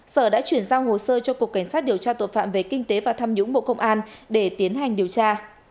sở đã chuyển giao hồ sơ cho cục cảnh sát điều tra tội phạm về kinh tế và tham nhũng bộ công an để tiến hành điều tra